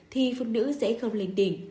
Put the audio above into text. thì phụ nữ sẽ không lên đỉnh